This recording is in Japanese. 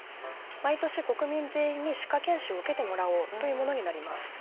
毎年、国民全員に歯科健診を受けてもらおうというものになります。